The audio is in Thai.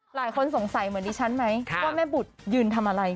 หลายคนสงสัยเหมือนดิฉันไหมว่าแม่บุตรยืนทำอะไร